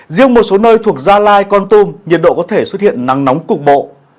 riêng một số nơi thuộc gia lai con tum nhiệt độ có thể xuất hiện nắng nóng cục bộ